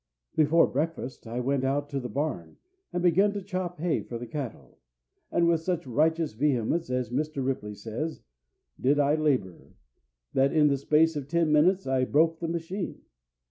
"Before breakfast I went out to the barn and began to chop hay for the cattle, and with such 'righteous vehemence,' as Mr. Ripley says, did I labor, that in the space of ten minutes I broke the machine.